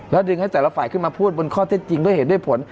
ดึงให้แต่ละฝ่ายขึ้นมาพูดบนข้อเท็จจริงด้วยเหตุด้วยผล